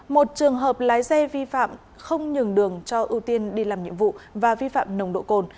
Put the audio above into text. một trường hợp lái xe vi phạm không nhường đường cho ưu tiên đi làm nhiệm vụ và vi phạm nồng độ cồn